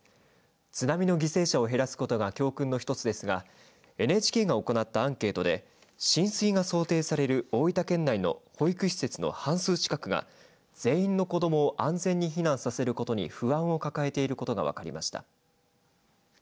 津波の犠牲者を減らすことが教訓の１つですがＮＨＫが行ったアンケートで浸水が想定される大分県内の保育施設の半数近くが全員の子どもを安全に避難することに不安を抱えていることが分かりました。